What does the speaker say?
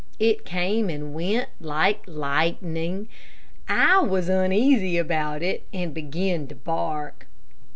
It came and went like lightning. I was uneasy about it, and began to bark.